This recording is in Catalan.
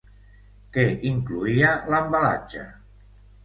Què incloïa l'embalatge?